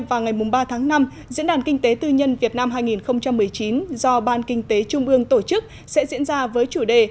vào ngày ba tháng năm diễn đàn kinh tế tư nhân việt nam hai nghìn một mươi chín do ban kinh tế trung ương tổ chức sẽ diễn ra với chủ đề